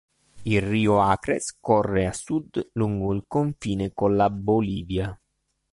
Il Rio Acre scorre a sud lungo il confine con la Bolivia.